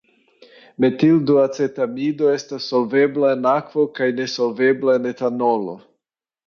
Metilduacetamido estas solvebla en akvo kaj nesolvebla en etanolo.